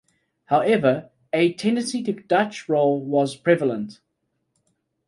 However, a tendency to "dutch roll" was prevalent.